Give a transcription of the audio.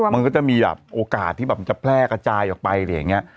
มันก็จะมีแบบโอกาสที่แบบจะแพร่กระจายออกไปอะไรอย่างนี้